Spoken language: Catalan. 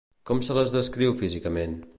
Com se les descriu físicament?